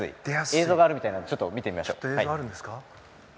映像があるみたいなのでちょっと見てみましょうか。